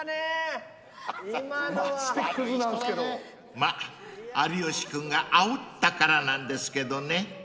［まっ有吉君があおったからなんですけどね］